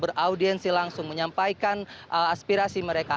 beraudiensi langsung menyampaikan aspirasi mereka